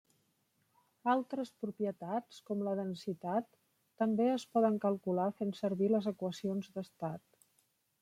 Altres propietats, com la densitat, també es poden calcular fent servir les equacions d'estat.